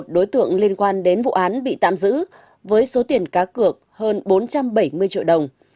một mươi đối tượng liên quan đến vụ án bị tạm giữ với số tiền cá cược hơn bốn trăm bảy mươi triệu đồng